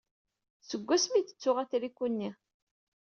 Seg wansi i d-tuɣ atriku-nni?